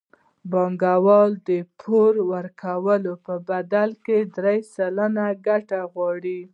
بانکوال د پور ورکولو په بدل کې درې سلنه ګټه غواړي